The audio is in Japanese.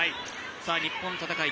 日本の戦い